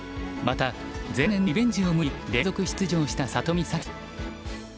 また前年のリベンジを胸に連続出場した里見咲紀さん。